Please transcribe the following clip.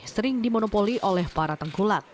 sering dimonopoli oleh para tengkulat